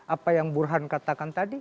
apa yang burhan katakan tadi